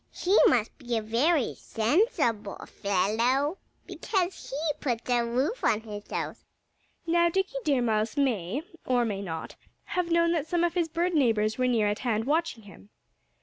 He must be a very sensible fellow, because he puts a roof on his house." Now, Dickie Deer Mouse may or may not have known that some of his bird neighbors were near at hand, watching him.